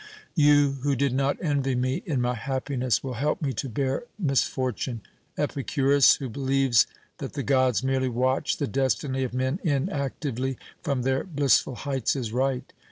You who did not envy me in my happiness will help me to bear misfortune. Epicurus, who believes that the gods merely watch the destiny of men inactively from their blissful heights, is right.